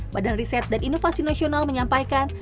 badan riset dan inovasi nasional menyampaikan